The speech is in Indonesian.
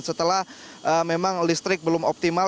setelah memang listrik belum optimal